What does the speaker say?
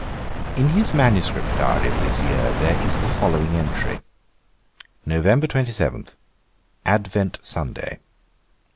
In his manuscript diary of this year, there is the following entry: 'Nov. 27. Advent Sunday.